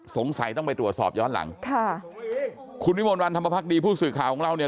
สงสัยต้องไปตรวจสอบย้อนหลังค่ะคุณวิมลวันธรรมพักดีผู้สื่อข่าวของเราเนี่ย